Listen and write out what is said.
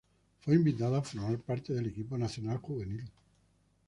Fue invitada a formar parte del equipo nacional juvenil.